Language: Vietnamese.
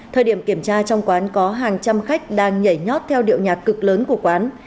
thời điểm kiểm tra trong quán có hàng trăm khách đang nhảy nhót theo điệu nhạc cực lớn của quán